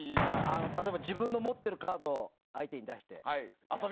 自分の持ってるカードを相手に出してとか。